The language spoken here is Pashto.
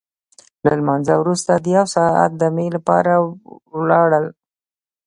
له لمانځه وروسته د یو ساعت دمې لپاره ولاړل.